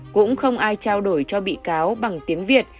cũng không ai trao đổi cho bị cáo bằng tiếng việt